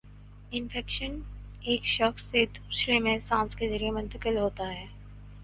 infection ایک شخص سے دوسرے میں سانس کے ذریعے منتقل ہوتا ہے